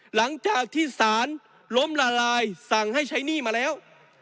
หลังจากที่สารล้มละลายสั่งให้ใช้หนี้มาแล้ว